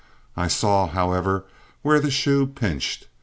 I saw, however, where the shoe pinched.